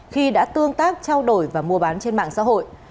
khi đã tương tác trao đổi và mua bán trên mạng xã hội